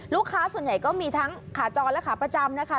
ลูกค้าส่วนใหญ่ก็มีทั้งขาจรและขาประจำนะคะ